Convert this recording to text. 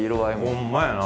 ほんまやな。